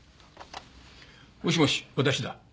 もしもし私だ。